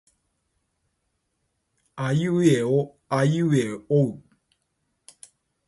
あいうえおあいえおう。